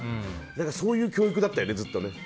そういう教育だったよね、ずっと。